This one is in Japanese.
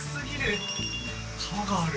川がある。